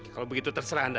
kalau begitu terserah anda